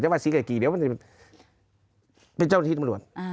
เจ้าว่าสีกลายกี่เดี๋ยวเป็นเจ้าหน้าที่จำรวจอ่า